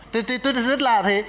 tức là rất lạ thế